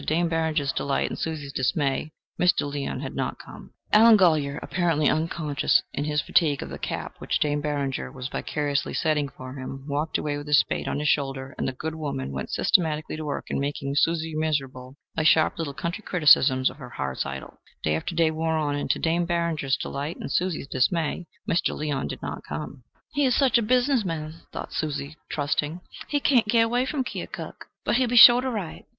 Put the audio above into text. Allen Golyer, apparently unconscious in his fatigue of the cap which Dame Barringer was vicariously setting for him, walked away with his spade on his shoulder, and the good woman went systematically to work in making Susie miserable by sharp little country criticisms of her heart's idol. Day after day wore on, and, to Dame Barringer's delight and Susie's dismay, Mr. Leon did not come. "He is such a businessman," thought trusting Susan, "he can't get away from Keokuk. But he'll be sure to write."